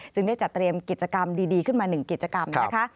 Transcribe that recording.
ได้จัดเตรียมกิจกรรมดีขึ้นมา๑กิจกรรมนะคะ